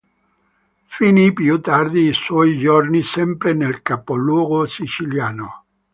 Finì più tardi i suoi giorni, sempre nel capoluogo siciliano.